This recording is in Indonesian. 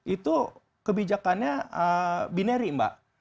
itu kebijakannya binary mbak